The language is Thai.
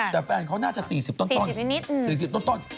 แต่แฟนเขาน่าจะ๔๐ต้น